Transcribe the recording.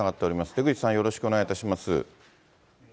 出口さん、よろしくお願いいたします。